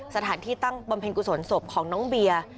สถานที่ตั้งบำเพ็ญกุศลศพของน้องเบียร์